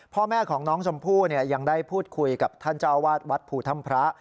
พ่อแม่ของน้องชมพู่ยังได้พูดคุยกับท่านเจ้าวาดวัดภูถ้ำพระ